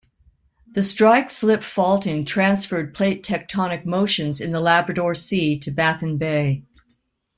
The strike-slip faulting transferred plate-tectonic motions in the Labrador Sea to Baffin Bay.